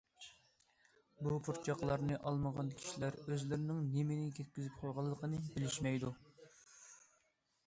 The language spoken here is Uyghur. بۇ پۇرچاقلارنى ئالمىغان كىشىلەر ئۆزلىرىنىڭ نېمىنى كەتكۈزۈپ قويغانلىقىنى بىلىشمەيدۇ.